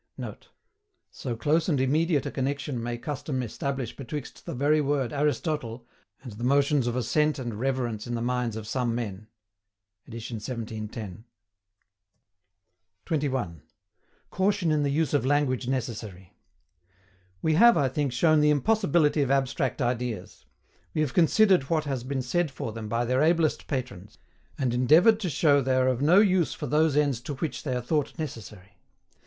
[Note: "So close and immediate a connection may custom establish betwixt the very word ARISTOTLE, and the motions of assent and reverence in the minds of some men." Edit 1710.] 21. CAUTION IN THE USE OF LANGUAGE NECESSARY. We have, I think, shown the impossibility of ABSTRACT IDEAS. We have considered what has been said for them by their ablest patrons; and endeavored to show they are of no use for those ends to which they are thought necessary.